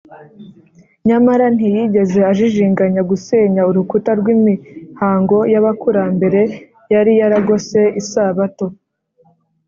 nyamara ntiyigeze ajijinganya gusenya urukuta rw’imihango y’abakurambere yari yaragose isabato